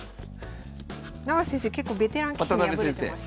結構ベテラン棋士に敗れてました。